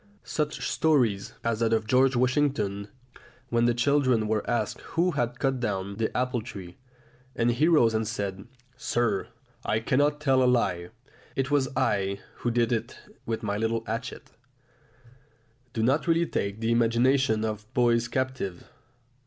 Such stories as that of George Washington when the children were asked who had cut down the apple tree, and he rose and said, "Sir, I cannot tell a lie; it was I who did it with my little hatchet" do not really take the imagination of boys captive.